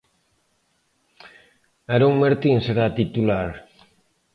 Aaron Martín será titular.